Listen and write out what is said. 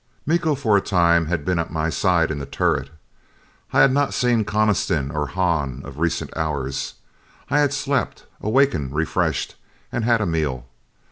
Miko for a time had been at my side in the turret. I had not seen Coniston or Hahn of recent hours. I had slept, awakened refreshed, and had a meal.